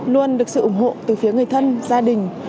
luôn được sự ủng hộ từ phía người thân gia đình